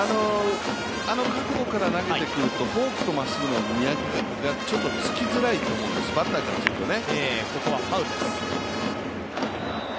あの角度から投げてくるとフォークをまっすぐの見分けがちょっとつきづらいと思うんです、バッターからするとね。